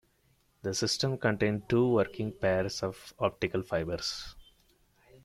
The system contained two working pairs of optical fibers.